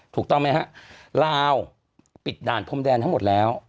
ถูกต้องไหมฮะลาวปิดด่านพรมแดนทั้งหมดแล้ว